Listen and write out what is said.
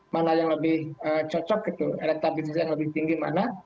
mana yang lebih cocok elektabilitas yang lebih tinggi mana